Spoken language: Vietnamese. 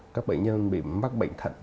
các bệnh nhân bị mắc bệnh thận